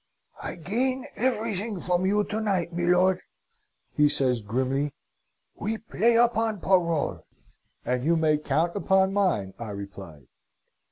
"'I gain everything from you to night, milor,' says he, grimly. 'We play upon parole.' "'And you may count upon mine,' I replied.